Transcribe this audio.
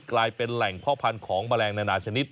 กลายเป็นแหล่งพ่อพันธุ์ของแมลงนานาชนิด